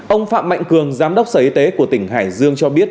ông phạm mạnh cường giám đốc sở y tế của tỉnh hải dương cho biết